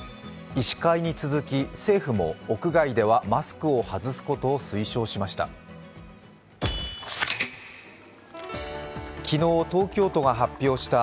医師会に続き政府も屋外ではマスクを外すことを推奨しました。